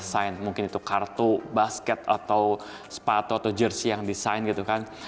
sign mungkin itu kartu basket atau sepatu atau jersey yang di sign gitu kan